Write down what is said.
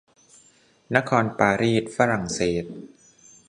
นครปารีสฝรั่งเศส